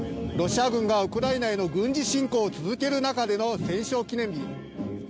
ロシア軍がウクライナへの軍事侵攻を続ける中での戦勝記念日。